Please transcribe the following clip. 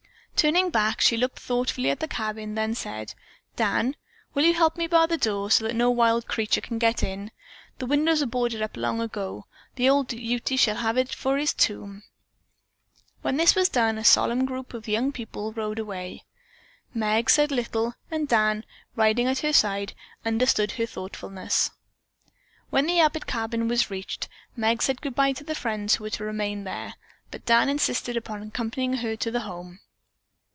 Turning back, she looked thoughtfully at the cabin, then said, "Dan, will you help me bar the door that no wild creature can get in? The windows were long ago boarded up. The old Ute shall have it for his tomb." When this was done, a solemn group of young people rode away. Meg said little, and Dan, riding at her side, understood her thoughtfulness. When the Abbott cabin was reached, Meg said goodbye to the friends who were to remain there, but Dan insisted upon accompanying her to her home.